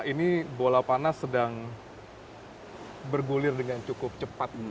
ini bola panas sedang bergulir dengan cukup cepat